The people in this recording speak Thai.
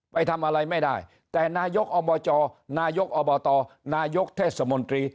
ไปทำอะไรไม่ได้แต่นายกอบจนายกอบตนายกเทศมนตรี